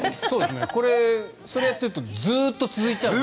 それをやっているとずっと続いちゃうので。